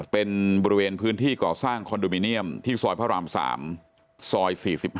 เป็นบริเวณพื้นที่ก่อสร้างคอนโดมิเนียมที่ซอยพระราม๓ซอย๔๕